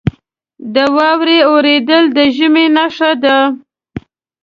• د واورې اورېدل د ژمي نښه ده.